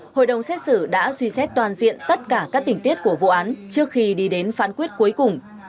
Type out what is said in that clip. hội đồng xét xử đã suy xét toàn diện tất cả các tình tiết của vụ án trước khi đi đến phán quyết cuối cùng